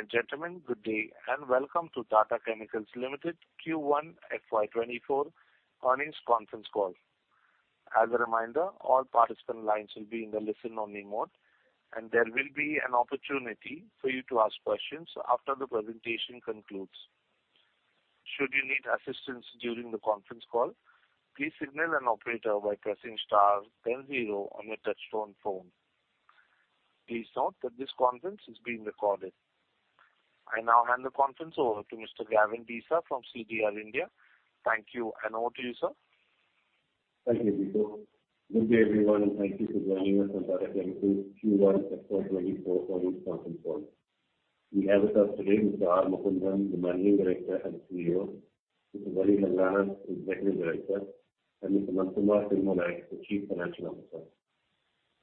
Ladies and gentlemen, good day, welcome to Tata Chemicals Limited first quarter FY 2024 earnings conference call. As a reminder, all participant lines will be in the listen-only mode, and there will be an opportunity for you to ask questions after the presentation concludes. Should you need assistance during the conference call, please signal an operator by pressing star one, zero, zero on your touchtone phone. Please note that this conference is being recorded. I now hand the conference over to Mr. Gavin Desa from CDR India. Thank you, over to you, sir. Thank you, Vito. Good day, everyone, and thank you for joining us on Tata Chemicals first quarter FY 2024 earnings conference call. We have with us today, Mr. R. Mukundan, the Managing Director and CEO, Mr. Zarir Langrana, Executive Director, and Mr. Nandakumar Tirumalai, the Chief Financial Officer.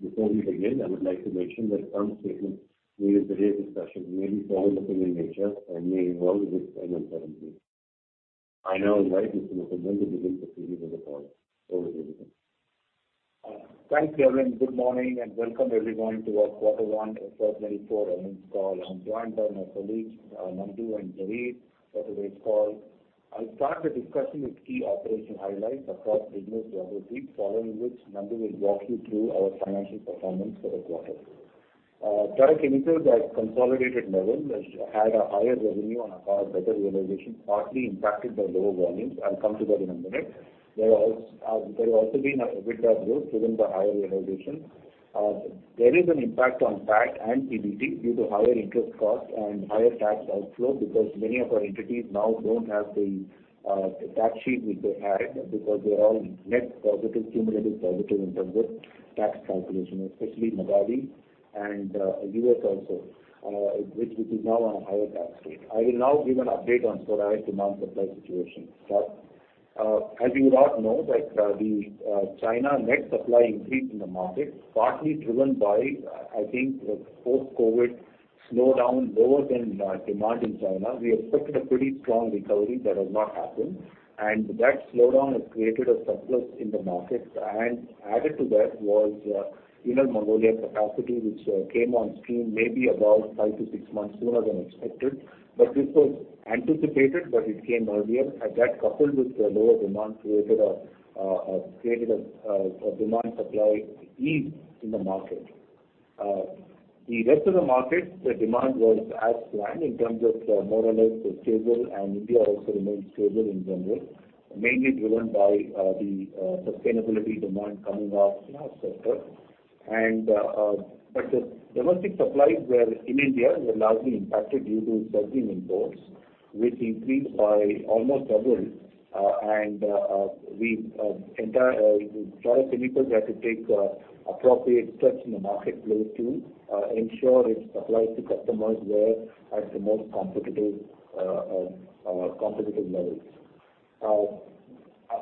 Before we begin, I would like to mention that some statements made in today's discussion may be forward-looking in nature and may involve risks and uncertainties. I now invite Mr. Mukundan to begin the proceedings of the call. Over to you, Mukundan. Thanks, everyone. Good morning, and welcome everyone to our quarter one FY 2024 earnings call. I'm joined by my colleagues, Nandu and Javed for today's call. I'll start the discussion with key operational highlights across business geographies, following which Nandu will walk you through our financial performance for the quarter. Tata Chemicals at consolidated level has had a higher revenue and a far better realization, partly impacted by lower volumes. I'll come to that in a minute. There has, there has also been a EBITDA growth, driven by higher realization. There is an impact on PAT and PBT due to higher interest cost and higher tax outflow, because many of our entities now don't have the tax sheet which they had, because they are all net positive, cumulatively positive in terms of tax calculation, especially Magadi and US also, which is now on a higher tax rate. I will now give an update on soda ash demand supply situation. As you would all know that, the China net supply increased in the market, partly driven by, I think, the post-COVID slowdown lower than demand in China. We expected a pretty strong recovery that has not happened, and that slowdown has created a surplus in the market. Added to that was Inner Mongolia capacity, which came on stream maybe about five to six months sooner than expected. This was anticipated, but it came earlier, and that, coupled with the lower demand, created a demand supply ease in the market. The rest of the market, the demand was as planned in terms of more or less stable, and India also remained stable in general, mainly driven by the sustainability demand coming off in our sector. The domestic supplies were, in India, were largely impacted due to Belgian imports, which increased by almost double. We entire Tata Chemicals had to take appropriate steps in the marketplace to ensure it supplies to customers were at the most competitive competitive levels.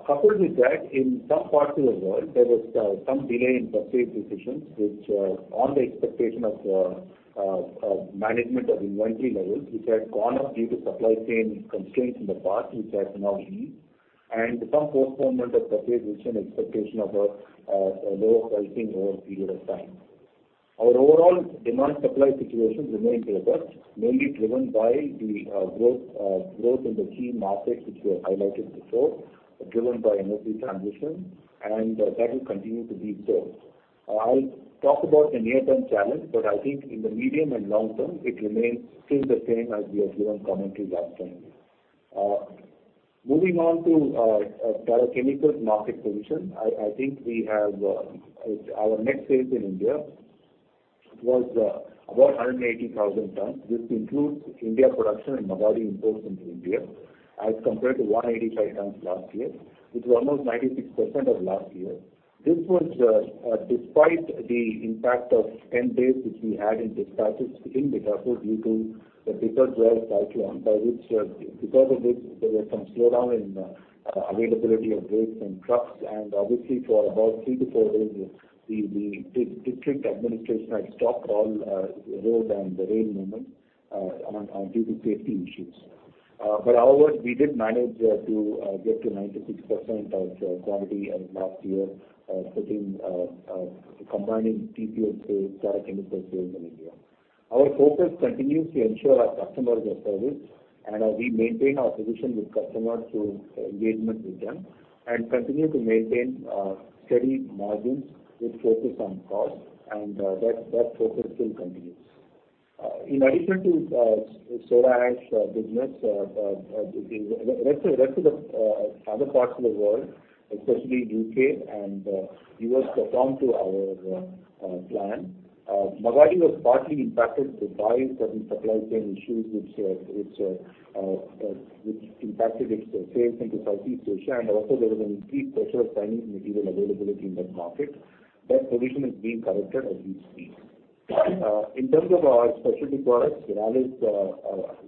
Coupled with that, in some parts of the world, there was some delay in purchase decisions, which on the expectation of management of inventory levels, which had gone up due to supply chain constraints in the past, which has now eased, and some postponement of purchase, which is an expectation of a lower pricing over a period of time. Our overall demand supply situation remains robust, mainly driven by the growth, growth in the key markets, which were highlighted before, driven by energy transition, and that will continue to be so. I'll talk about the near-term challenge, but I think in the medium and long term, it remains still the same as we have given commentary last time. ta Chemicals' market position, our net sales in India was about 180,000 tons. This includes India production and Magadi imports into India, as compared to 185 tons last year, which was almost 96% of last year. This was despite the impact of 10 days, which we had in dispatches in December, due to the Biparjoy cyclone, by which, because of this, there was some slowdown in availability of goods and trucks. nd obviously for about three to four days, the district administration had stopped all road and rail movement due to safety issues. But however, we did manage to get to 96% of quantity as last year, combining TPO sales, Tata Chemicals sales in India. Our focus continues to ensure our customers are serviced, and we maintain our position with customers through engagement with them, and continue to maintain steady margins with focus on cost, and that, that focus still continues. In addition to soda ash business, the rest of the other parts of the world, especially UK and US, performed to our plan. Magadi was partly impacted by certain supply chain issues, which, which, which impacted its sales into Southeast Asia, and also there was an increased pressure of Chinese material availability in that market. That position is being corrected as we speak. In terms of our specialty products, Rallis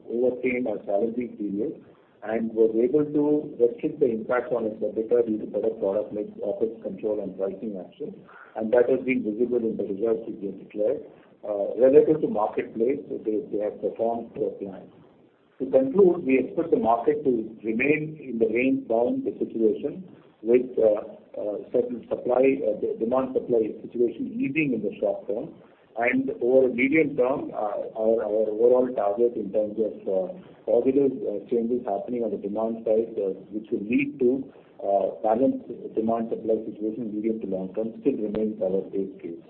overcame a challenging period and was able to restrict the impact on its EBITDA due to better product mix, control and pricing actions. That has been visible in the results we declared. Relative to marketplace, they have performed to our plan. To conclude, we expect the market to remain in the range bound the situation, with certain supply, the demand supply situation easing in the short term. Over medium term, our overall target in terms of positive changes happening on the demand side, which will lead to balanced demand supply situation, medium to long term, still remains our base case.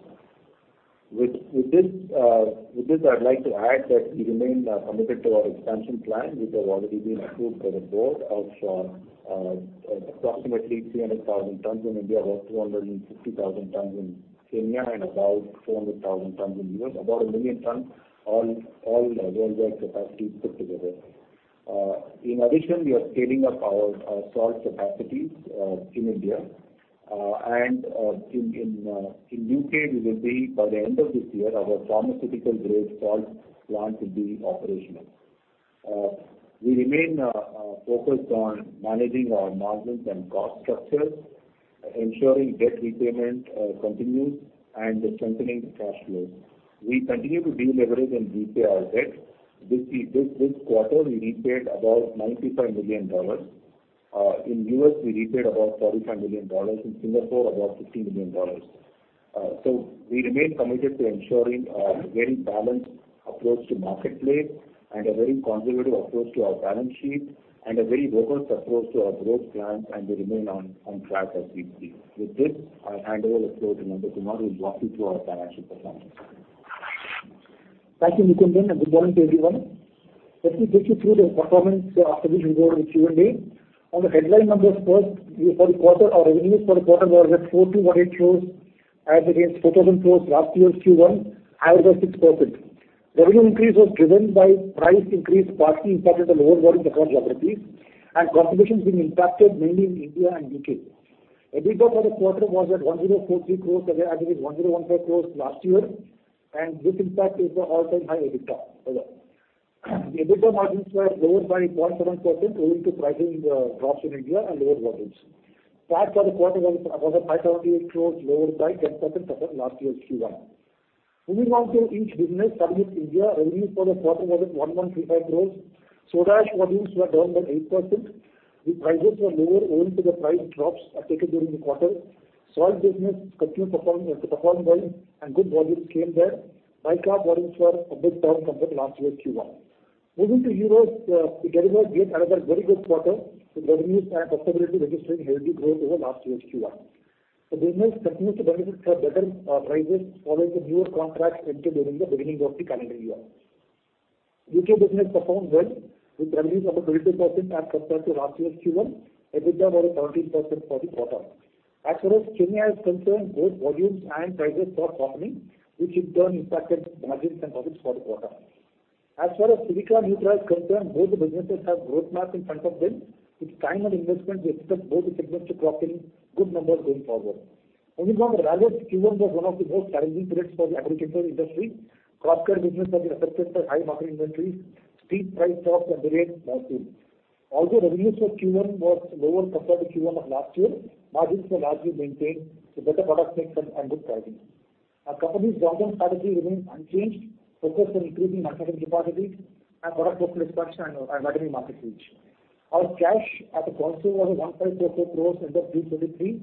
With this I'd like to add that we remain committed to our expansion plan, which have already been approved by the board of approximately 300,000 tons in India, about 250,000 tons in Kenya, and about 400,000 tons in US About 1 million tons, all, all our worldwide capacity put together. In addition, we are scaling up our salt capacities in India. And in UK, we will be by the end of this year, our pharmaceutical grade salt plant will be operational. We remain focused on managing our margins and cost structures, ensuring debt repayment continues and strengthening the cash flows. We continue to deleverage and repay our debt. This, this quarter, we repaid about $95 million. In US, we repaid about $45 million, in Singapore, about $15 million. We remain committed to ensuring a very balanced approach to marketplace and a very conservative approach to our balance sheet, and a very focused approach to our growth plans, and we remain on, on track as we see. With this, I'll hand over the floor to Nandakumar, who'll walk you through our financial performance. Thank you, Nikunj, and good morning to everyone. Let me take you through the performance, after which we'll go to Q&A. On the headline numbers first, for the quarter, our revenues for the quarter were at 48 crores as against 4,000 crores last year's first quarter, higher by 6%. Revenue increase was driven by price increase, partly impacted the lower volume across geographies, and consumptions being impacted mainly in India and UK EBITDA for the quarter was at 1,043 crores as against 1,015 crores last year, and this, in fact, is an all-time high EBITDA. EBITDA margins were lower by 0.7%, owing to pricing drops in India and lower volumes. PAT for the quarter was at 578 crores, lower by 10% than last year's first quarter. Moving on to each business, starting with India. Revenues for the quarter was at 1,135 crore. Soda ash volumes were down by 8%. The prices were lower, owing to the price drops are taken during the quarter. Salt business continued performing to perform well, and good volumes came there. TricaP volumes were a big turn from the last year's first quarter. Moving to Europe, we delivered yet another very good quarter, with revenues and profitability registering healthy growth over last year's first quarter. The business continues to benefit from better prices following the newer contracts entered during the beginning of the calendar year. UK business performed well, with revenues up 22% as compared to last year's first quarter, EBITDA was at 13% for the quarter. As far as Kenya is concerned, both volumes and prices stopped happening, which in turn impacted margins and volumes for the quarter. As far as Silica and Nutra is concerned, both the businesses have growth mark in front of them. With time and investment, we expect both the segments to clock in good numbers going forward. Moving on to Rallis, first quarter was one of the most challenging periods for the agricultural industry. Crop Care business has been affected by high market inventory, steep price drops and delayed monsoon. Although revenues for first quarter was lower compared to first quarter of last year, margins were largely maintained to better product mix and good pricing. Our company's long-term strategy remains unchanged, focused on increasing market share category and product portfolio expansion and widening market reach. Our cash at the quarter was 1.44 crore end of 2023,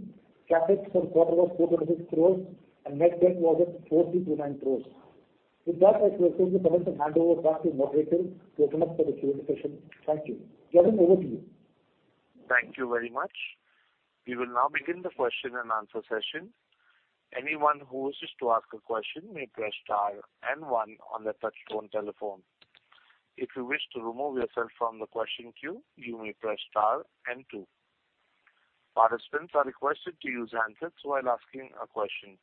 CapEx for the quarter was 426 crore, net debt was at 42.9 crore. With that, I request all the comments and hand over back to moderator to open up for the Q&A session. Thank you. Kevin, over to you. Thank you very much. We will now begin the question-and-answer session. Anyone who wishes to ask a question may press star one on their touchtone telephone. If you wish to remove yourself from the question queue, you may press star two. Participants are requested to use answers while asking a question.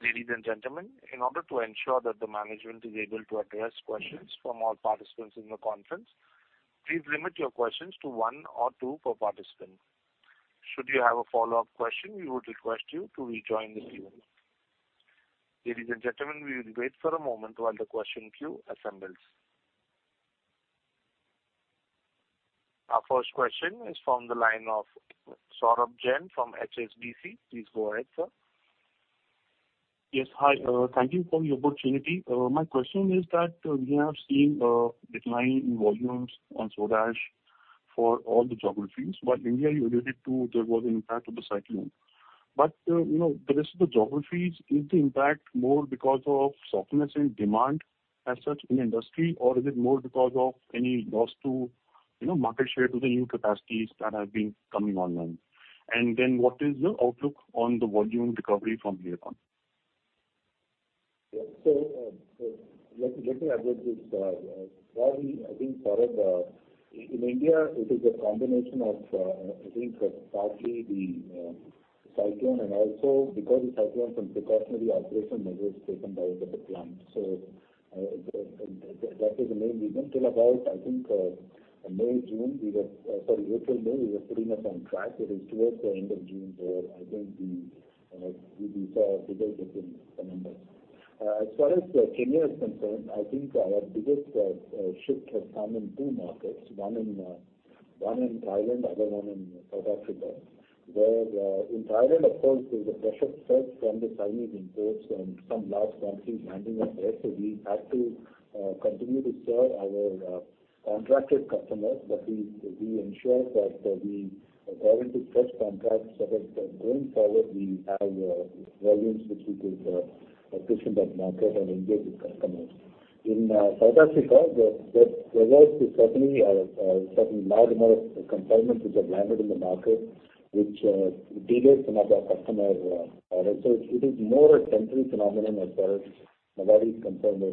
Ladies and gentlemen, in order to ensure that the management is able to address questions from all participants in the conference, please limit your questions to one or two per participant. Should you have a follow-up question, we would request you to rejoin the queue. Ladies and gentlemen, we will wait for a moment while the question queue assembles. Our first question is from the line of Saurabh Jain from HSBC. Please go ahead, sir. Yes, hi. Thank you for the opportunity. My question is that we have seen decline in volumes on soda ash for all the geographies. While India, you related to there was an impact of the cyclone. You know, the rest of the geographies, is the impact more because of softness in demand as such in industry, or is it more because of any loss to, you know, market share to the new capacities that have been coming online? What is your outlook on the volume recovery from here on? Yes. Let me, let me address this, what we, I think, Saurabh, in India, it is a combination of, I think, partly the cyclone, and also because of the cyclone, some precautionary operation measures taken by the plant. That is the main reason. Till about, I think, May, June, sorry, April, May, we were putting us on track. It is towards the end of June, where I think the, we saw a bigger dip in the numbers. As far as Kenya is concerned, I think our biggest shift has come in two markets, one in Thailand, other one in South Africa. Where, in Thailand, of course, there's a pressure felt from the Chinese imports and some large country landing up there. We have to continue to serve our contracted customers, but we ensure that we are going to first contract, so that going forward, we have volumes which we could push in that market and engage with customers. In South Africa, there was certainly a certain large amount of consignments which have landed in the market, which delayed some of our customer, so it is more a temporary phenomenon as well. Nobody is concerned in the markets, which should pass up over a period of time. As far as US is concerned, there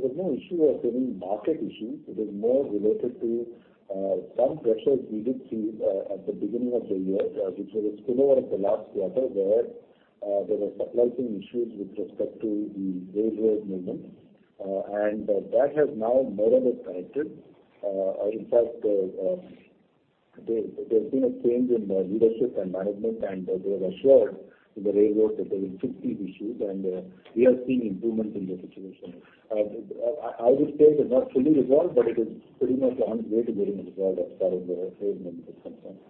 was no issue of any market issue. It is more related to some pressures we did see at the beginning of the year, which was spillover of the last quarter, where there were supply chain issues with respect to the railroad movement. That has now more or less corrected. In fact, there's been a change in the leadership and management, and they have assured the railroad that they will fix these issues, and we are seeing improvements in the situation. I would say it is not fully resolved, but it is pretty much on the way to getting resolved as far as the railroad is concerned.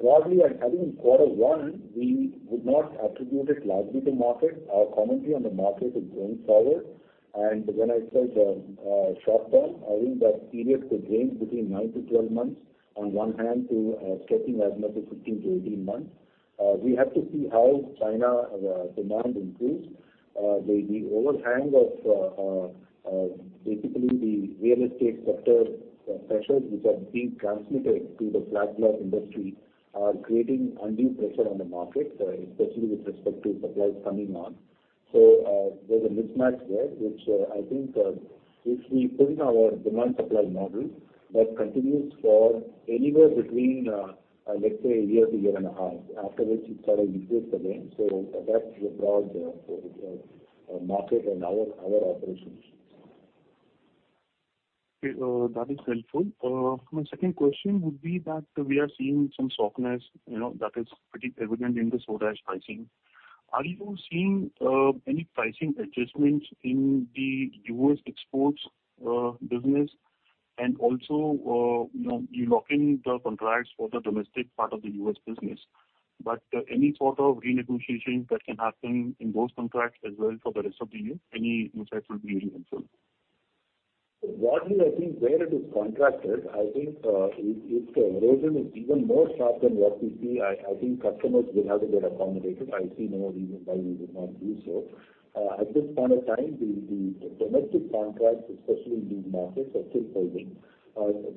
Broadly, I think quarter one, we would not attribute it largely to market. Our commentary on the market is going forward. When I said, short term, I think that period could range between nine to 12 months, on one hand, to stretching as much as 15 to 18 months. We have to see how China, demand increase. The, the overhang of, basically, the real estate sector pressures which are being transmitted to the flat glass industry are creating undue pressure on the market, especially with respect to supplies coming on. There's a mismatch there, which, I think, if we put in our demand supply model, that continues for anywhere between, let's say, a year to a year and a half, after which it sort of eases again. That's the broad, market and our, our operations. Okay, that is helpful. My second question would be that we are seeing some softness, you know, that is pretty evident in the soda ash pricing. Are you seeing any pricing adjustments in the US exports business? Also, you know, you lock in the contracts for the domestic part of the US business, but any sort of renegotiation that can happen in those contracts as well for the rest of the year, any insights would be really helpful? Broadly, I think where it is contracted, I think, if the erosion is even more sharp than what we see, I think customers will have to get accommodated. I see no reason why we would not do so. At this point of time, the, the domestic contracts, especially in these markets, are still holding.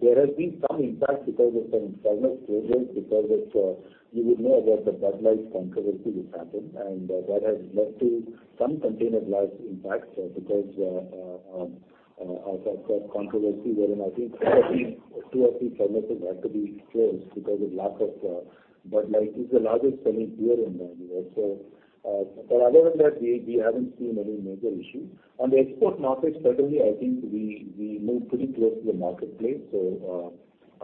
There has been some impact because of some climate changes, because of, you would know about the Bud Light controversy which happened, and that has led to some containerized impacts, because, as I said, controversy, wherein I think two or three, two or three premises had to be closed because of lack of, Bud Light is the largest selling beer in the US Other than that, we, we haven't seen any major issue. On the export markets, certainly, I think we, we move pretty close to the marketplace.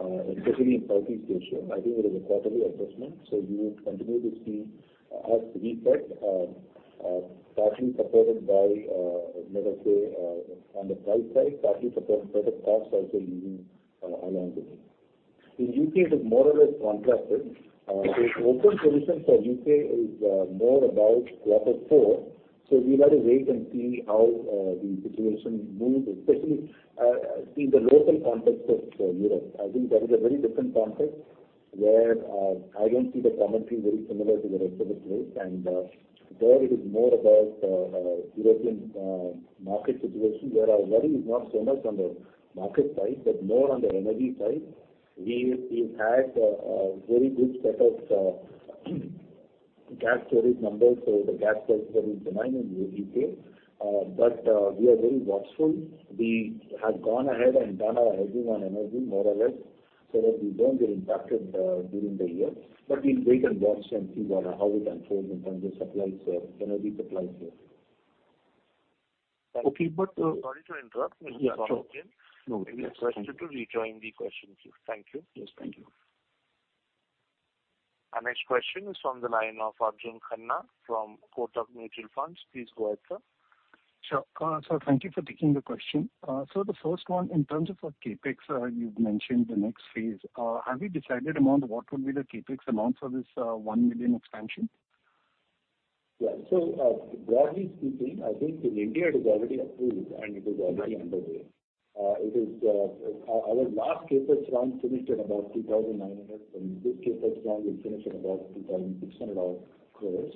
Especially in Southeast Asia, I think it is a quarterly assessment, so you will continue to see, as we said, partly supported by, let us say, on the price side, partly supported costs also moving along with it. In UK, it is more or less contracted. The open position for UK is more about quarter four, so we've got to wait and see how the situation moves, especially in the local context of Europe. I think that is a very different context, where I don't see the commentary very similar to the rest of the place. There it is more about European market situation, where our worry is not so much on the market side, but more on the energy side. We, we had a very good set of gas storage numbers, so the gas storage was demand in the UK. We are very watchful. We have gone ahead and done our hedging on energy, more or less, so that we don't get impacted during the year. We'll wait and watch and see what, how it unfolds in terms of supplies, energy supplies here. Okay... Sorry to interrupt, Mr. Saurabh Jain. Yeah, sure. No... We request you to rejoin the question, please. Thank you. Yes, thank you. Our next question is from the line of Arjun Khanna from Kotak Mutual Fund. Please go ahead, sir. Sure. Sir, thank you for taking the question. The first one, in terms of our CapEx, you've mentioned the next phase. Have you decided amount? What would be the CapEx amount for this, 1 million expansion? Broadly speaking, I think in India, it is already approved, and it is already underway. It is, our last CapEx run finished at about 2,900 crore, and this CapEx run will finish at about 2,600 odd crore.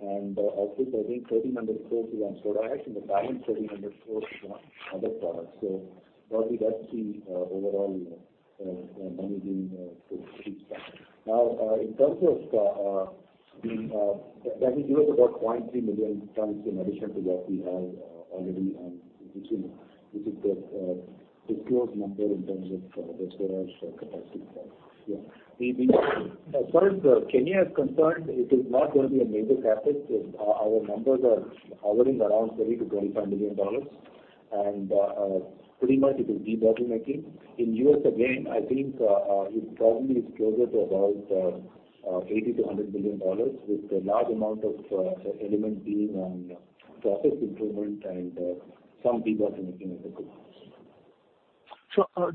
Of this, I think 1,300 crore is on soda ash, and the balance 1,300 crore is on other products. Broadly, that's the overall, you know, money being reached out. In terms of, that will give us about 0.3 million tons in addition to what we have already, and which is, which is the disclosed number in terms of the storage capacity. We, as far as Kenya is concerned, it is not going to be a major CapEx. Our numbers are hovering around $30 to 25 million. Pretty much it is debottlenecking. In US, again, I think, it probably is closer to about $80 to 100 million, with a large amount of element being on process improvement and some debottlenecking of the group.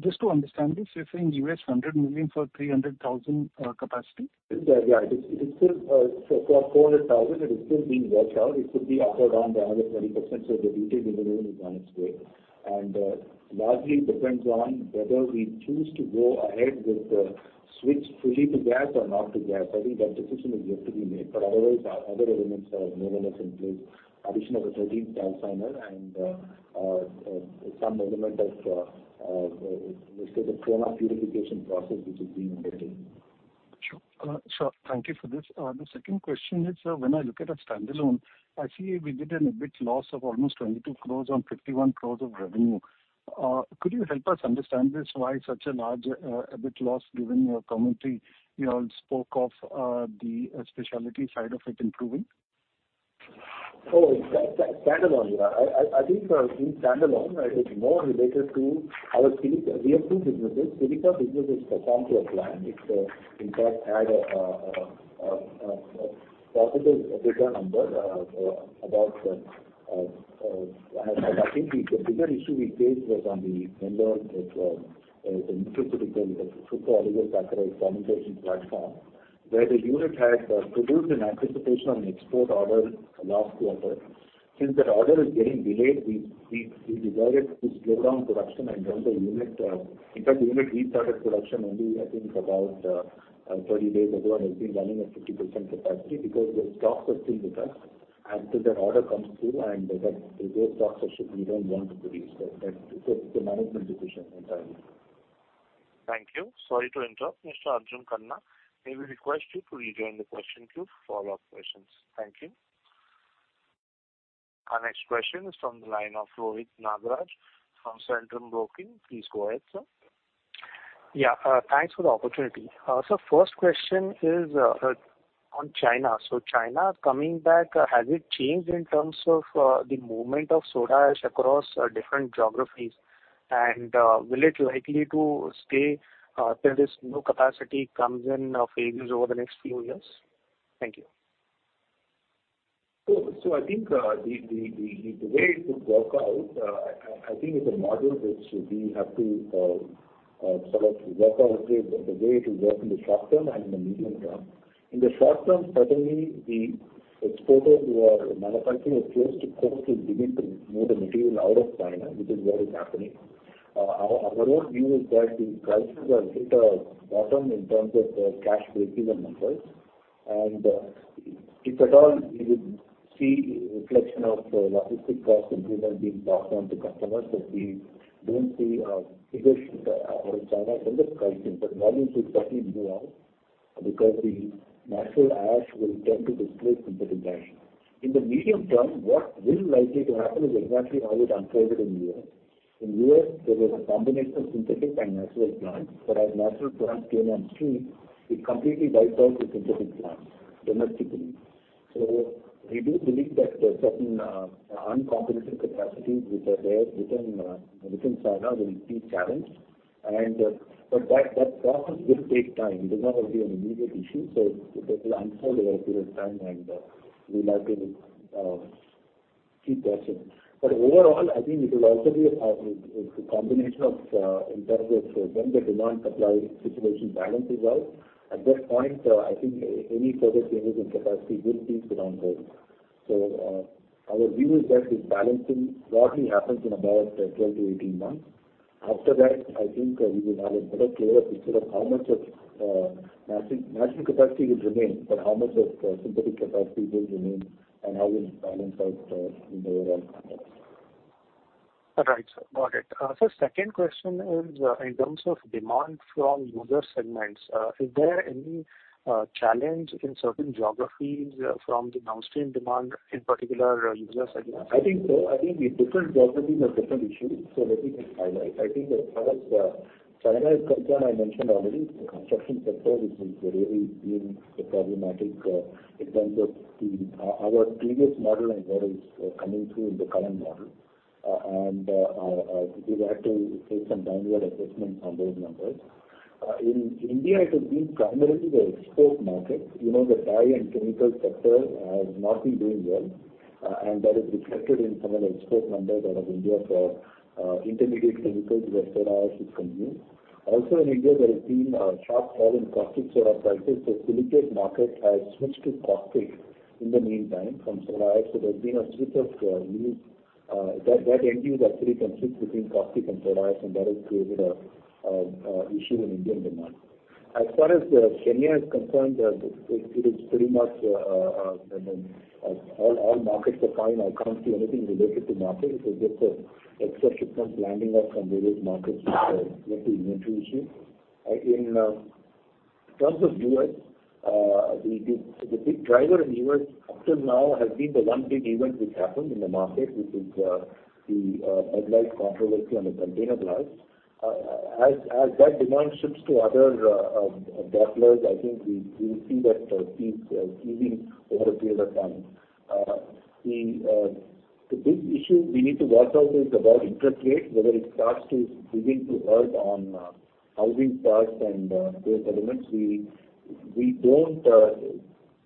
Just to understand this, you're saying US $100 million for 300,000 capacity? Yeah, it is still, for, for 400,000, it is still being worked out. It could be upward on another 20%, so the detail engineering is on its way. Largely depends on whether we choose to go ahead with the switch fully to gas or not to gas. I think that decision is yet to be made. But otherwise, our other elements are more or less in place. Addition of a 13th calciner and, some element of, let's say, the trona purification process, which is being undertaken. Sure. Sir, thank you for this. The second question is, sir, when I look at a standalone, I see we did an EBIT loss of almost 22 crore on 51 crore of revenue. Could you help us understand this, why such a large EBIT loss, given your commentary? You all spoke of the specialty side of it improving. Oh, stand-alone, yeah. I think, in standalone, it is more related to our silica. We have two businesses. Silica business has performed to a plan. It, in fact, had a positive EBITDA number about. I think the bigger issue we faced was on the vendor with the nicotine, the Fructo-oligosaccharides fermentation platform, where the unit had produced in anticipation of an export order last quarter. Since that order is getting delayed, we decided to slow down production and run the unit. In fact, the unit restarted production only, I think, about 30 days ago, and has been running at 50% capacity because the stocks are still with us. After that order comes through, and those stocks are shipped, we don't want to release that. That's a management decision entirely. Thank you. Sorry to interrupt, Mr. Arjun Khanna. May we request you to rejoin the question queue for follow-up questions. Thank you. Our next question is from the line of Rohit Nagraj from Centrum Broking. Please go ahead, sir. Yeah, thanks for the opportunity. First question is on China. China coming back, has it changed in terms of the movement of soda ash across different geographies? Will it likely to stay till this new capacity comes in phases over the next few years? Thank you. I think the way it would work out, I think it's a model which we have to sort of work out, the way it will work in the short term and in the medium term. In the short term, certainly, the exporters who are manufacturing a close to coast will begin to move the material out of China, which is what is happening. Our own view is that the prices are hit a bottom in terms of cash breaking the numbers. If at all, we would see a reflection of logistic cost improvement being passed on to customers, but we don't see a bigger out of China than the pricing, but volume should certainly move out, because the natural ash will tend to displace synthetic ash. In the medium term, what is likely to happen is exactly how it unfolded in US In US, there was a combination of synthetic and natural plants, but as natural plants came on stream, it completely wiped out the synthetic plants domestically. We do believe that certain uncompetitive capacities which are there within China will be challenged. But that process will take time. It is not going to be an immediate issue, so it will unfold over a period of time, and we likely see that soon. Overall, I think it will also be a combination of in terms of when the demand supply situation balances out. At that point, I think any further changes in capacity will be put on hold. Our view is that this balancing broadly happens in about 12 to 18 months. After that, I think we will have a better clearer picture of how much of natural, natural capacity will remain, but how much of synthetic capacity will remain and how we balance out in the overall market. All right, sir. Got it. second question is in terms of demand from user segments, is there any challenge in certain geographies from the downstream demand, in particular, user segments? I think so. I think the different geographies have different issues, so let me just highlight. I think as far as China is concerned, I mentioned already, the construction sector, which has really been a problematic in terms of our previous model and what is coming through in the current model, and we had to take some downward adjustments on those numbers. In India, it has been primarily the export market. You know, the dye and chemical sector has not been doing well, and that is reflected in some of the export numbers out of India for intermediate chemicals where soda ash is consumed. Also in India, there has been a sharp fall in caustic soda prices. The silicate market has switched to caustic in the meantime from soda ash. There's been a switch of use that, that end use actually competes between caustic and soda ash, and that has created an issue in Indian demand. As far as Kenya is concerned, it is pretty much all, all markets are fine. I can't see anything related to market. It is just a question of planning out from various markets with the inventory issue. In terms of US, the big driver in US up till now has been the one big event which happened in the market, which is the headwinds controversy on the container glass. As that demand shifts to other de-stockers, I think we will see that fees easing over a period of time. The big issue we need to watch out is about interest rates, whether it starts to begin to hurt on housing starts and those elements. We don't,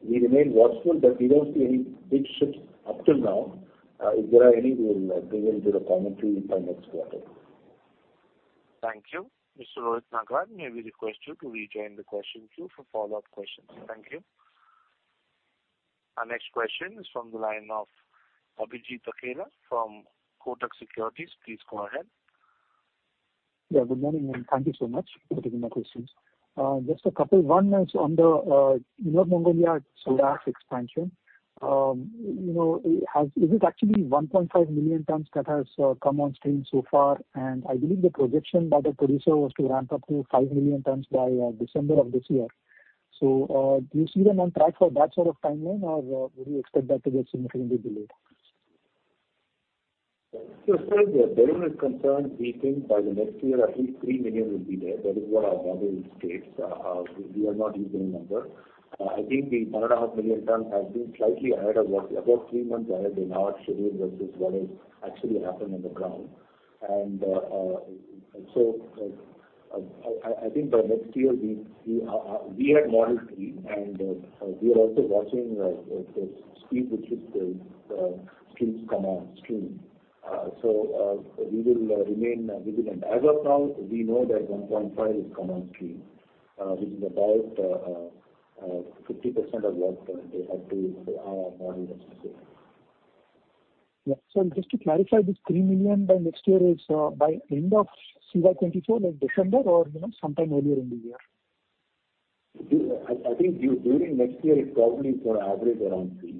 we remain watchful, but we don't see any big shifts up till now. If there are any, we will bring into the commentary in our next quarter. Thank you. Mr. Rohit Nagraj, may we request you to rejoin the question queue for follow-up questions. Thank you. Our next question is from the line of Abhijit Akela from Kotak Securities. Please go ahead. Yeah, good morning, and thank you so much for taking my questions. just a couple. One is on the Inner Mongolia soda ash expansion. you know, is it actually 1.5 million tons that has come on stream so far? I believe the projection by the producer was to ramp up to 5 million tons by December of this year. do you see them on track for that sort of timeline, or would you expect that to get significantly delayed? As far as the volume is concerned, we think by the next year, at least 3 million will be there. That is what our model states. We are not using number. I think the 1.5 million tons has been slightly ahead of what, about three months ahead of our schedule, versus what is actually happened on the ground. I think by next year, we, we had modeled three, and we are also watching the speed with which the streams come on stream. We will remain vigilant. As of now, we know that 1.5 is come on stream, which is about 50% of what they had to, our model as you say. Yeah. Just to clarify, this 3 million by next year is by end of CY 2024, like December, or, you know, sometime earlier in the year? I think during next year, it's probably for average around three.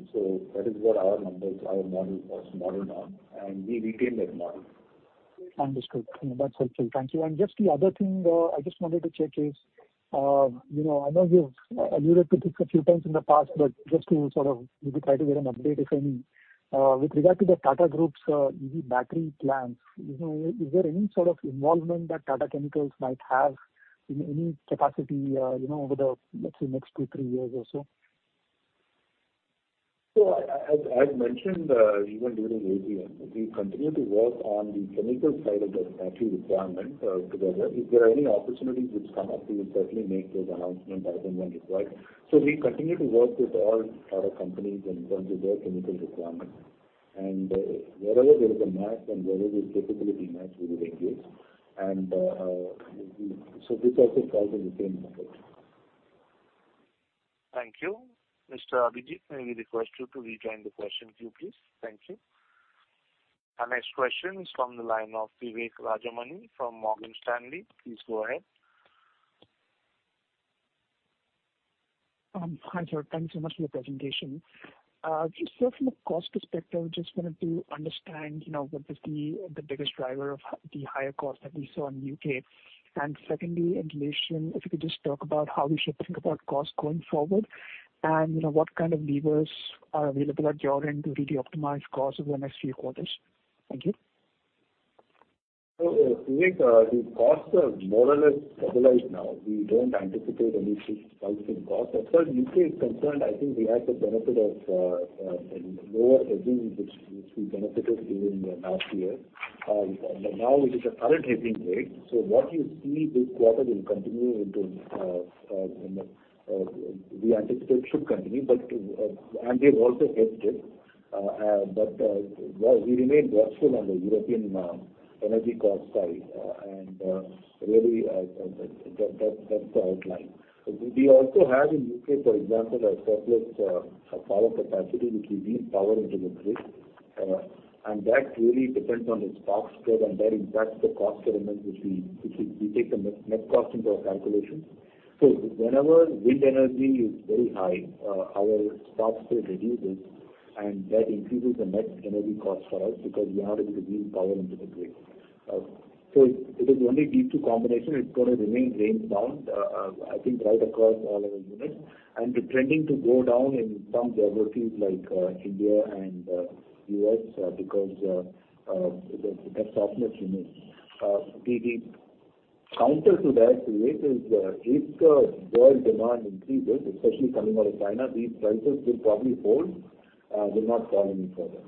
That is what our numbers, our model was modeled on, and we retain that model. Understood. That's helpful. Thank you. Just the other thing, I just wanted to check is, you know, I know you've alluded to this a few times in the past, but just to sort of maybe try to get an update, if any. With regard to the Tata Group's EV battery plans, you know, is there any sort of involvement that Tata Chemicals might have in any capacity, you know, over the, let's say, next two, three years or so? As, as mentioned, even during AGM, we continue to work on the chemical side of the battery requirement together. If there are any opportunities which come up, we will certainly make those announcement as and when required. We continue to work with all Tata companies in terms of their chemical requirements. Wherever there is a match and wherever there's capability match, we will engage. So, this also falls in the same method. Thank you. Mr. Abhijit, may we request you to rejoin the question queue, please? Thank you. Our next question is from the line of Vivek Rajamani from Morgan Stanley. Please go ahead. Hi, sir. Thank you so much for your presentation. Just so from a cost perspective, just wanted to understand, you know, what is the biggest driver of the higher cost that we saw in UK? Secondly, in relation, if you could just talk about how we should think about costs going forward, and, you know, what kind of levers are available at your end to really optimize costs over the next few quarters? Thank you. Vivek, the costs are more or less stabilized now. We don't anticipate any spikes in cost. As far as UK is concerned, I think we had the benefit of lower hedging, which, which we benefited during the last year. Now with the current hedging rate, so what you see this quarter will continue into, you know, we anticipate should continue, but, and we've also hedged it. We remain watchful on the European energy cost side, and really, that, that, that's the outline. We also have in UK, for example, a surplus power capacity, which we need power into the grid, and that really depends on the spot spread, and that impacts the cost element, which we, which we, we take the net, net cost into our calculations. Whenever wind energy is very high, our stock spread reduces, and that increases the net energy cost for us, because we have to reduce power into the grid. It is only these two combination, it's going to remain reigned down, I think, right across all our units. It's trending to go down in some geographies like India and US, because the softness remains. The counter to that, Vivek, is if world demand increases, especially coming out of China, these prices will probably hold, will not fall any further.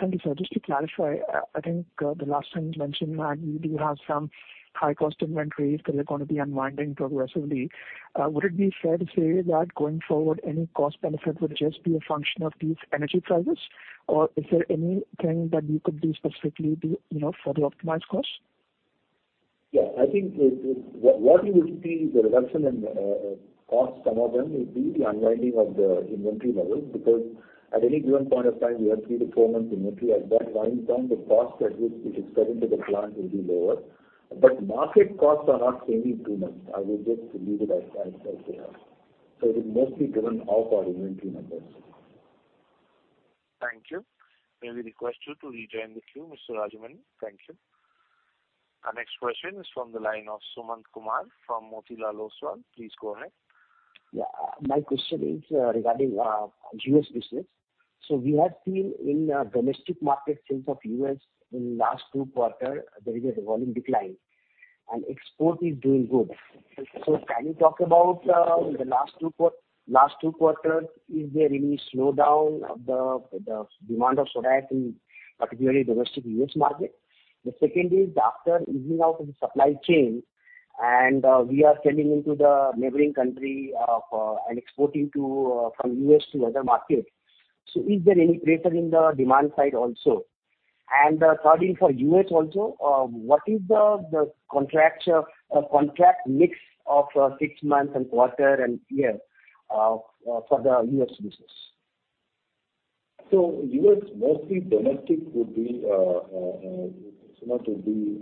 Thank you, sir. Just to clarify, I think the last time you mentioned that you do have some high-cost inventories that are going to be unwinding progressively. Would it be fair to say that going forward, any cost benefit would just be a function of these energy prices? Or is there anything that you could do specifically to, you know, further optimize costs? Yeah. I think it, what, what you will see is the reduction in costs, some of them, will be the unwinding of the inventory levels, because at any given point of time, we have three to four months inventory. At that point in time, the cost at which it is kept into the plant will be lower. Market costs are not changing too much. I would just leave it at that, as they are. It is mostly driven off our inventory numbers. Thank you. May we request you to rejoin the queue, Mr. Rajamani? Thank you. Our next question is from the line of Sumant Kumar from Motilal Oswal. Please go ahead. Yeah, my question is regarding US business. We have seen in domestic market sales of US in last two quarter, there is a volume decline, and export is doing good. Can you talk about in the last two quarters, is there any slowdown of the demand of soda ash in particularly domestic US market? The second is, after easing out of the supply chain, and we are selling into the neighboring country, and exporting to from US to other markets, so is there any pressure in the demand side also? Third thing for US also, what is the contracture contract mix of six months and quarter and year for the US business? US, mostly domestic would be, so not to be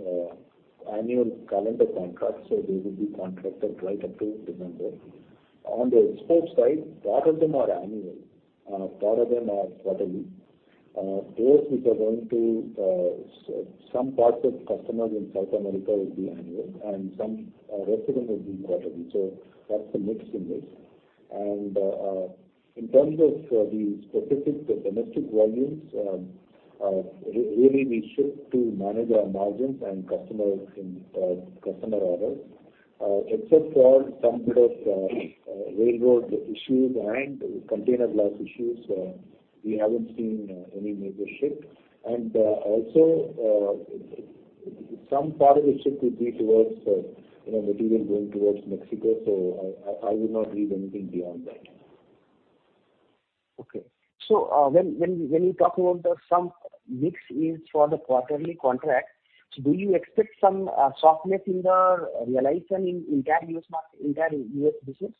annual calendar contract, so they will be contracted right up to December. On the export side, part of them are annual, part of them are quarterly. Those which are going to some part of customers in South America will be annual, and some, rest of them will be quarterly. That's the mix in this. In terms of the specific domestic volumes, really we shift to manage our margins and customers and customer orders. Except for some bit of railroad issues and container glass issues, we haven't seen any major shift. Also, some part of the shift would be towards, you know, material going towards Mexico, so I would not read anything beyond that. Okay. When you talk about the some mix is for the quarterly contract, so do you expect some softness in the realization in entire US mark- entire US business?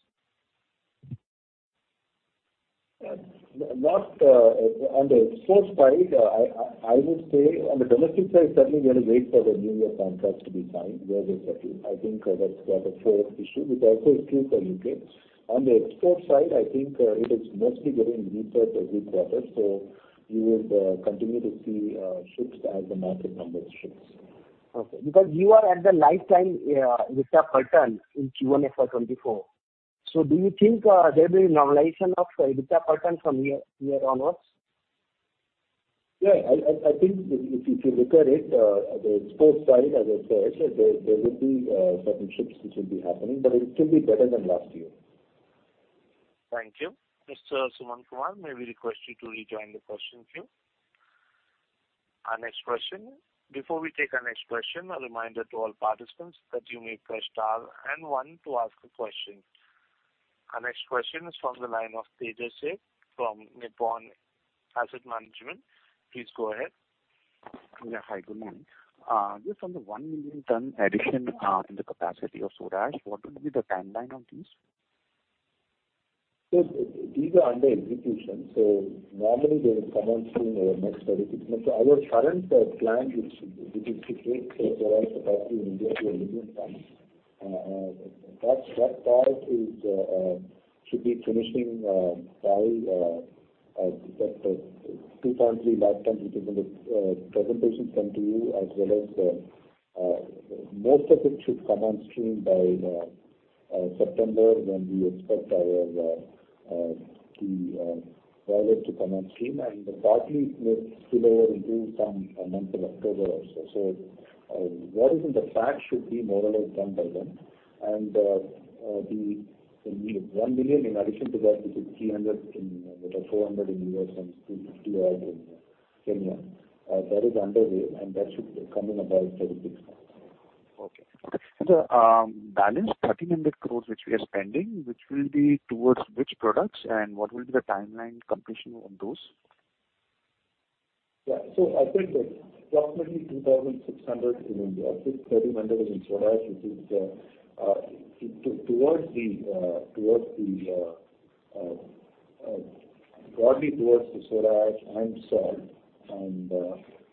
Not on the export side, I would say on the domestic side, certainly we gonna wait for the new year contracts to be signed, where they settle. I think that's, that a fourth issue, which also is true for UK. On the export side, I think it is mostly getting deeper every quarter, so you will continue to see shifts as the market numbers shifts. Okay. You are at the lifetime EBITDA per ton in first quarter FY 2024. Do you think there'll be normalization of EBITDA per ton from here, here onwards? Yeah, I think if you look at it, the export side, as I said, there will be certain shifts which will be happening, but it should be better than last year. Thank you. Mr. Sumant Kumar, may we request you to rejoin the question queue? Before we take our next question, a reminder to all participants that you may press star and one to ask a question. Our next question is from the line of Tejas Sheth from Nippon Asset Management. Please go ahead. Hi, good morning. Just on the 1-million-ton addition, in the capacity of soda ash, what would be the timeline on this? These are under execution, so normally they will come on stream in the next 36 months. Our current plan is to take soda ash capacity in India to 1 million tons. That, that part is should be finishing by 2003 lifetime, which is in the presentation sent to you, as well as most of it should come on stream by September, when we expect our key project to come on stream. The partly will spill over into some month of October also. What is in the fact should be more or less done by then. The 1 million in addition to that is 300 in 400 in US and 250 odd in Kenya. That is underway. That should come in about 36 months. Okay. Balance 1,300 crores, which we are spending, which will be towards which products, and what will be the timeline completion of those? Yeah. I think approximately 2,600 in India, I think 30 million in soda ash, which is broadly towards the soda ash and salt and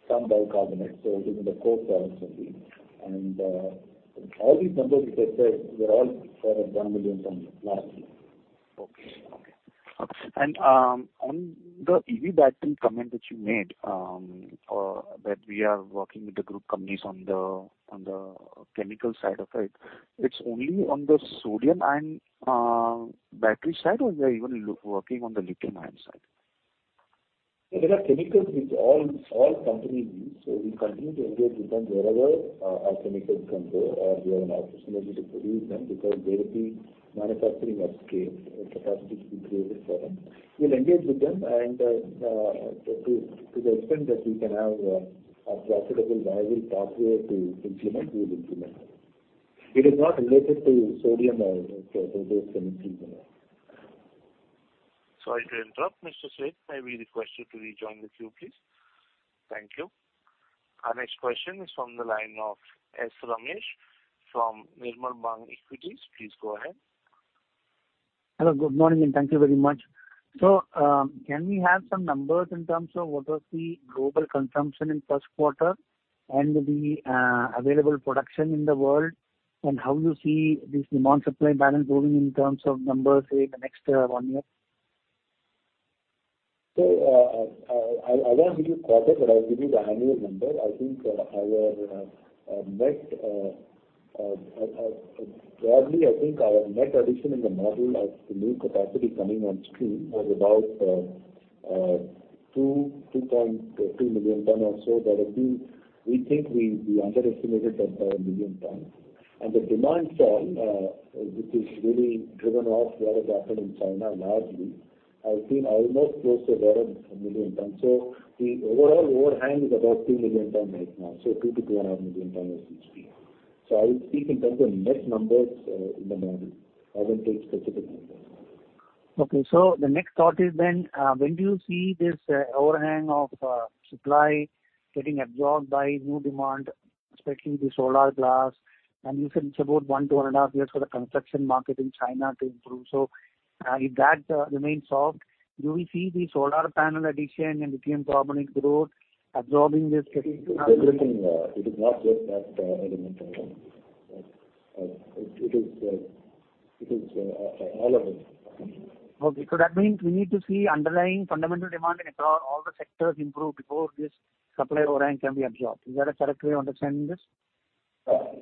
some bicarbonate, so within the core products of the... All these numbers, as I said, they're all for a 1 million ton capacity. Okay. Okay. On the EV battery comment that you made, that we are working with the group companies on the, on the chemical side of it, it's only on the sodium-ion battery side, or we are even working on the lithium-ion side? There are chemicals which all, all companies use, so we continue to engage with them wherever, our chemicals come to, or we have an opportunity to produce them, because there will be manufacturing of scale, capacity to be created for them. We'll engage with them and, to, to the extent that we can have a, a profitable, viable pathway to implement, we will implement. It is not related to sodium-ion, so those chemicals. Sorry to interrupt, Mr. Sheth. May we request you to rejoin the queue, please? Thank you. Our next question is from the line of S. Ramesh from Nirmal Bang Equities. Please go ahead. Hello, good morning, and thank you very much. Can we have some numbers in terms of what was the global consumption in first quarter and the available production in the world, and how you see this demand-supply balance moving in terms of numbers in the next one year? I won't give you quarter, but I'll give you the annual number. I think our net, probably, I think our net addition in the model as the new capacity coming on stream was about 2.2 million tons or so. I think we think we underestimated that by 1 million tons. The demand side, which is really driven off what has happened in China, largely, I've seen almost close to about 1 million tons. The overall overhang is about 2 million tons right now, so 2 to 2.5 million tons or so. I'll speak in terms of net numbers in the model. I won't take specific numbers. Okay. The next thought is then, when do you see this overhang of supply getting absorbed by new demand, especially the solar glass? You said it's about one to 1.5 years for the construction market in China to improve. If that remains soft, do we see the solar panel addition and lithium carbonate growth absorbing this? It is not just that, element, but it is, it is, all of it. Okay. That means we need to see underlying fundamental demand in across all the sectors improve before this supply overhang can be absorbed. Is that a correct way of understanding this?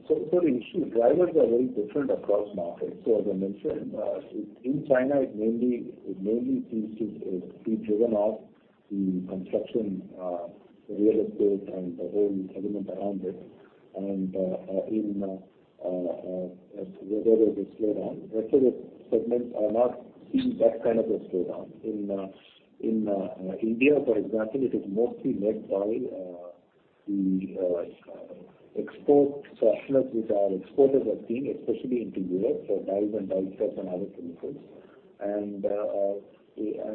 Yeah. The issue, drivers are very different across markets. As I mentioned, in China, it mainly, it mainly seems to be driven off the construction, real estate and the whole element around it. In where there is a slowdown. Rest of the segments are not seeing that kind of a slowdown. In India, for example, it is mostly led by the export, which are exported are seeing, especially into Europe, so dyes and dyestuffs and other chemicals.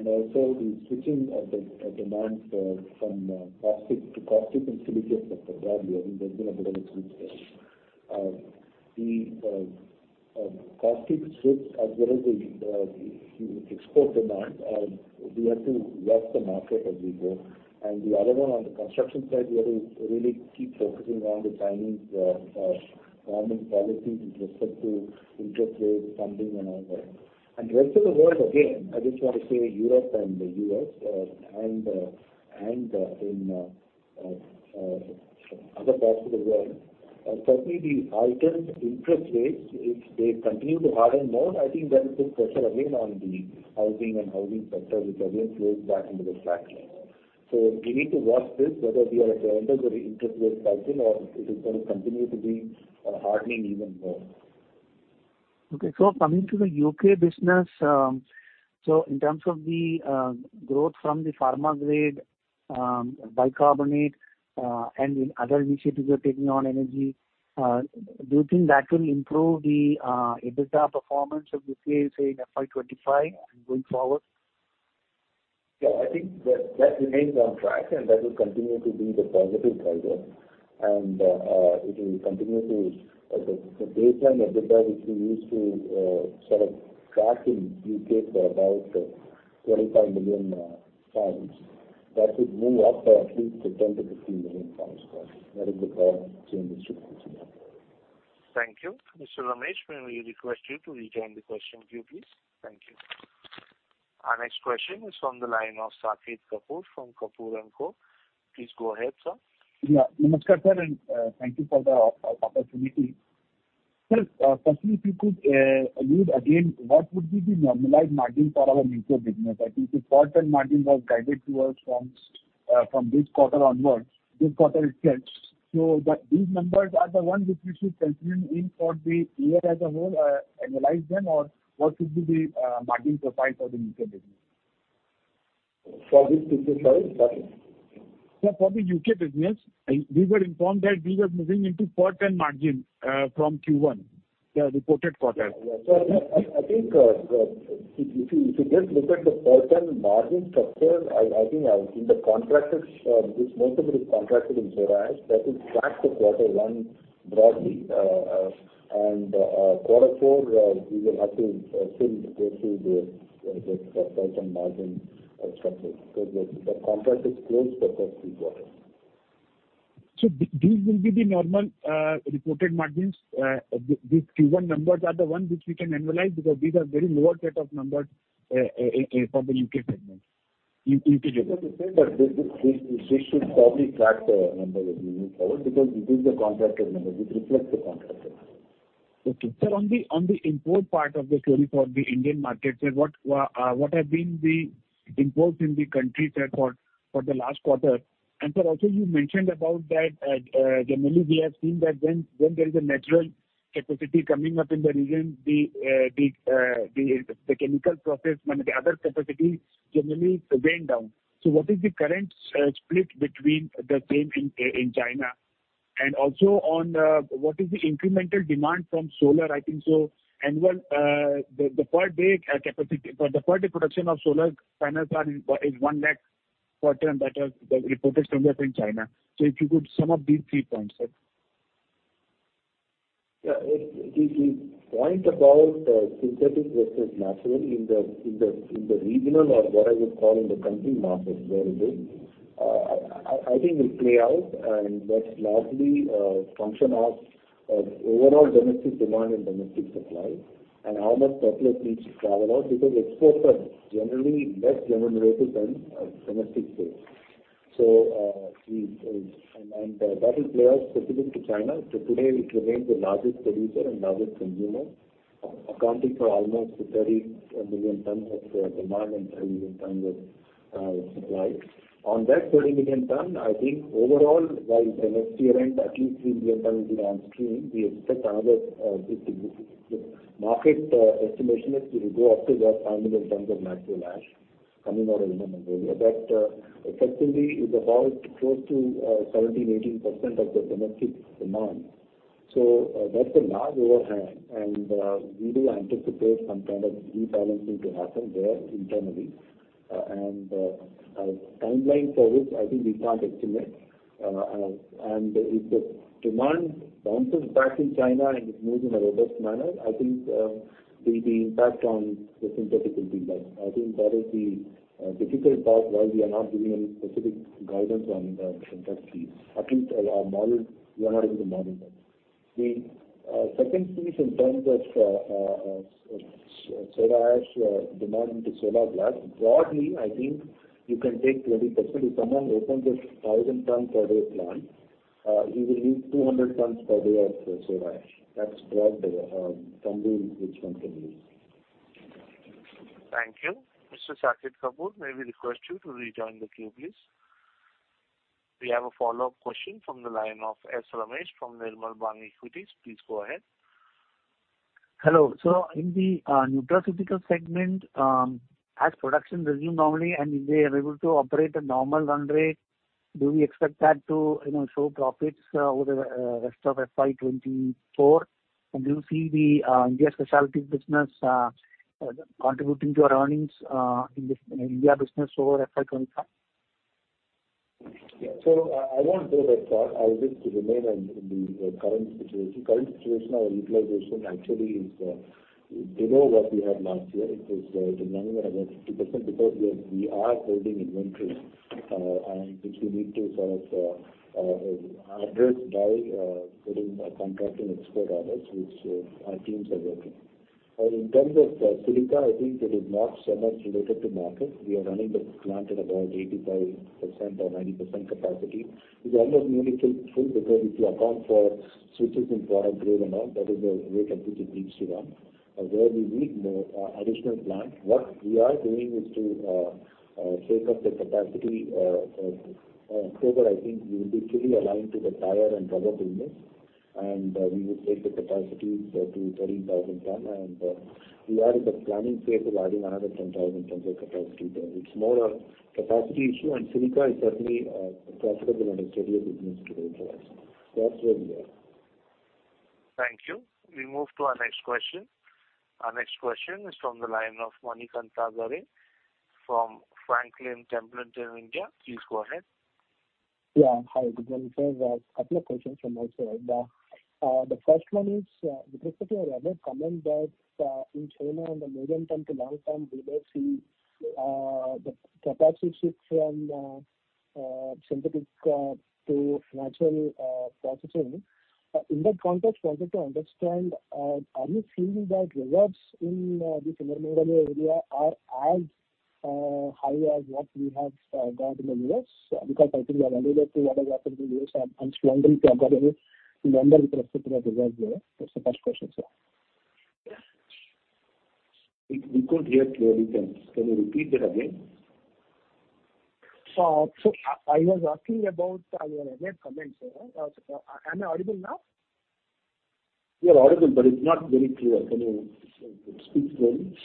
Also, the switching of the demand for, from caustic to caustic and silicate broadly, I think there's been a development there. The caustic shifts as well as the export demand, we have to watch the market as we go. The other one, on the construction side, we have to really keep focusing on the Chinese government policies with respect to interest rates, funding, and all that. Rest of the world, again, I just want to say Europe and the US, and in other parts of the world, certainly the heightened interest rates, if they continue to harden more, I think that will put pressure again on the housing and housing sector, which again flows back into the flat glass. We need to watch this, whether we are at the end of the interest rate cycle or if it is going to continue to be hardening even more. Okay. Coming to the UK business, in terms of the growth from the pharma grade bicarbonate, and the other initiatives you're taking on energy, do you think that will improve the EBITDA performance of the UK, say, in FY 2025 and going forward? Yeah, I think that remains on track, and that will continue to be the positive driver. It will continue to the baseline EBITDA, which we use to sort of track in UK for about 25 million pounds, that should move up by at least 10 to 15 million. That is the current change which we see. Thank you. Mr. Ramesh, may we request you to rejoin the question queue, please? Thank you. Our next question is from the line of Saket Kapoor, from Kapoor & Co. Please go ahead, sir. Yeah. Namaskar, sir, and thank you for the opportunity. Sir, firstly, if you could allude again, what would be the normalized margin for our UK business? I think the port and margin was guided to us from this quarter onwards, this quarter itself. These numbers are the ones which we should continue in for the year as a whole, analyze them, or what should be the margin profile for the UK business? For which business, sorry? Sir, for the UK business, we were informed that we were moving into port and margin from first quarter, the reported quarter. Yeah. I think, if you just look at the port and margin structure, I think I was in the contracted, which most of it is contracted in Zoraish, that is back to quarter one, broadly. Quarter four, we will have to still go through the port and margin structure, because the contract is closed for first quarter. These will be the normal, reported margins? These first quarter numbers are the ones which we can analyze, because these are very lower set of numbers for the UK segment, integrated. This, this should probably track the numbers moving forward, because it is the contracted numbers, it reflects the contracted. Okay. Sir, on the, on the import part of the story for the Indian market, what have been the imports in the country, sir, for the last quarter? Sir, also you mentioned about that, generally, we have seen that when, when there is a natural capacity coming up in the region, the chemical process and the other capacities generally going down. What is the current split between the same in China? What is the incremental demand from solar, I think so, annual, the per day production of solar panels is one lakh quarter and better, the reported numbers in China. If you could sum up these three points, sir. It, the, the point about synthetic versus natural in the, in the, in the regional or what I would call in the country markets, where it is-...I think it will play out, and that's largely a function of overall domestic demand and domestic supply, and how much surplus needs to travel out, because exports are generally less remunerative than domestic sales. We, and that will play out specific to China. Today it remains the largest producer and largest consumer, accounting for almost 30 million tons of demand and 30 million tons of supply. On that 30 million tons, I think overall, by the next year end, at least 3 million tons will be on stream. We expect another market estimation is it will go up to about 5 million tons of natural ash coming out of the Mongolia. That effectively is about close to 17% to 18% of the domestic demand. That's a large overhang, and we do anticipate some kind of rebalancing to happen there internally. Timeline for which I think we can't estimate. If the demand bounces back in China and it moves in a robust manner, I think the impact on the synthetic will be less. I think that is the difficult part, why we are not giving any specific guidance on the synthetic piece. At least our model, we are not able to model that. The second piece in terms of soda ash demand into solar glass, broadly, I think you can take 20%. If someone opens a 1,000 ton per day plant, you will need 200 tons per day of soda ash. That's broadly something which one can use. Thank you. Mr. Saket Kapoor, may we request you to rejoin the queue, please? We have a follow-up question from the line of S. Ramesh from Nirmal Bang Equities. Please go ahead. Hello. In the nutraceutical segment, has production resumed normally, and they are able to operate a normal run rate? Do we expect that to, you know, show profits over the rest of FY 2024? Do you see the India Specialty business contributing to our earnings in this, in India business over FY 2025? I won't go that far. I would like to remain on the, the current situation. Current situation, our utilization actually is below what we had last year. It is, it is running about 60%, because we are, we are holding inventories, and which we need to sort of, address by, putting, contracting export orders, which our teams are working. In terms of silica, I think it is not so much related to market. We are running the plant at about 85% or 90% capacity. It's almost nearly full, because if you account for switches in product grade and all, that is a very complicated beast to run. Where we need more additional plant, what we are doing is to take up the capacity, over I think we will be fully aligned to the tire and rubber business, and we would take the capacity to 30,000 tons. We are in the planning phase of adding another 10,000 in terms of capacity build. It's more a capacity issue, and silica is certainly profitable and a steady business to build for us. That's where we are. Thank you. We move to our next question. Our next question is from the line of Manikantha Garre from Franklin Templeton in India. Please go ahead. Yeah. Hi, good morning, sir. A couple of questions from my side. The first one is, Dipak, I read your comment that, in China, in the medium term to long term, we will see, the capacity shift from, synthetic, to natural, potassium. In that context, wanted to understand, are you seeing that reserves in, this Inner Mongolia area are as, high as what we have, got in the US? Because I think we are analogous to what has happened in the US, and strongly comparable in terms of the reserves there. That's the first question, sir. We couldn't hear clearly, sir. Can you repeat it again? I was asking about your earlier comments. Am I audible now? You are audible, but it's not very clear. Can you speak clearly?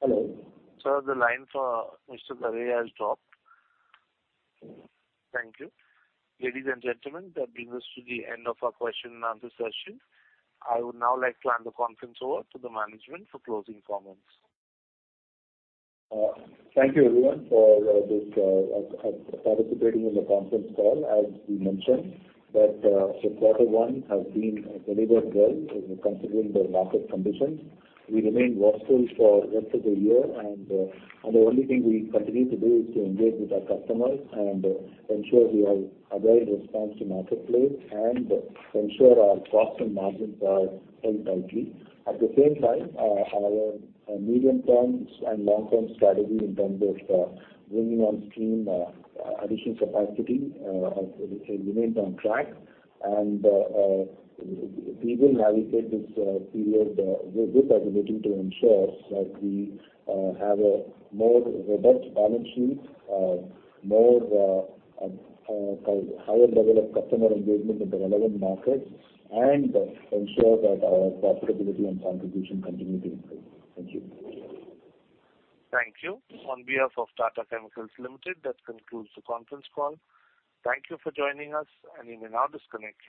Hello? Sir, the line for Mr. Gare has dropped. Thank you. Ladies and gentlemen, that brings us to the end of our question-and-answer session. I would now like to hand the conference over to the management for closing comments. Thank you everyone for this participating in the conference call. As we mentioned, that quarter one has been delivered well, considering the market conditions. We remain watchful for rest of the year, the only thing we continue to do is to engage with our customers and ensure we have agile response to marketplace, and ensure our costs and margins are held tightly. At the same time, our medium-term and long-term strategy in terms of bringing on stream additional capacity remains on track. We will navigate this period with agility to ensure that we have a more robust balance sheet, more higher level of customer engagement in the relevant markets and ensure that our profitability and contribution continue to improve. Thank you. Thank you. On behalf of Tata Chemicals Limited, that concludes the conference call. Thank you for joining us, and you may now disconnect your lines.